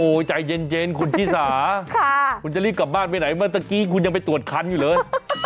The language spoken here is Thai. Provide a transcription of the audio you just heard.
ใจเย็นคุณชิสาคุณจะรีบกลับบ้านไปไหนเมื่อตะกี้คุณยังไปตรวจคันอยู่เลย